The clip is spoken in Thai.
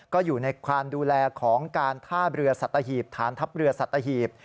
ก็อยู่ในความดูแลของการท่าเรือสัตหีบฐานทัพเรือสัตหีบ